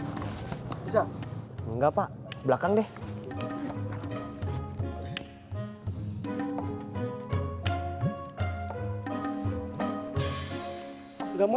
kidang bro pilih semua